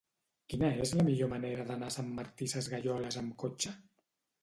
Quina és la millor manera d'anar a Sant Martí Sesgueioles amb cotxe?